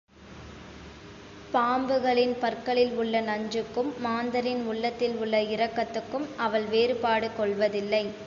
பாம்புகளின் பற்களில் உள்ள நஞ்சுக்கும் மாந்தரின் உள்ளத்தில் உள்ள இரக்கத்துக்கும் அவள் வேறுபாடு கொள்வதில்லை.